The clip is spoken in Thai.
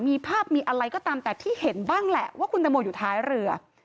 มีภาพมีอะไรก็ตามแต่ที่เห็นบ้างแหละว่าคุณตังโมอยู่ท้ายเรือ